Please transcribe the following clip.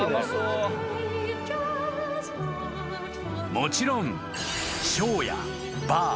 ［もちろんショーやバー。